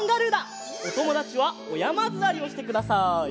おともだちはおやまずわりをしてください。